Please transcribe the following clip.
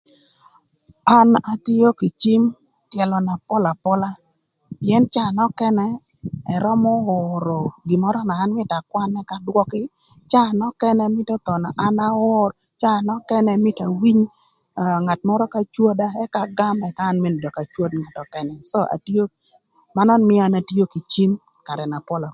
An atio kï cim tyëlö na pol apola pïën caa nökënë ërömö oro gin mörö na an mïtö akwan ëka adwökï caa nökënë na mïtö thon an aor caa nökënë mïtö awiny ngat mörö ka cwoda ëka agam ëka an mene dök acwod ngat mörö nökënë cë atio manön mïö an atio kï cim karë na pol apola.